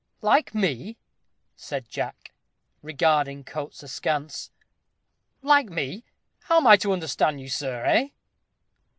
"Like me," said Jack, regarding Coates askance; "like me how am I to understand you, sir, eh?"